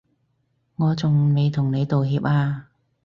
我仲未同你道歉啊